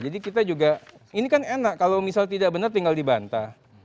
jadi kita juga ini kan enak kalau misalnya tidak benar tinggal dibanta